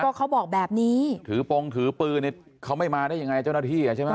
ก็เขาบอกแบบนี้ถือปงถือปืนเนี่ยเขาไม่มาได้ยังไงเจ้าหน้าที่อ่ะใช่ไหม